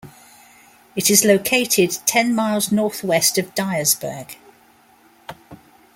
It is located ten miles northwest of Dyersburg.